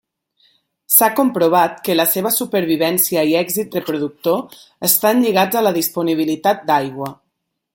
S'ha comprovat que la seva supervivència i èxit reproductor estan lligats a la disponibilitat d'aigua.